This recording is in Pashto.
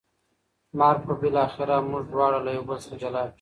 مرګ به بالاخره موږ دواړه له یو بل څخه جلا کړي.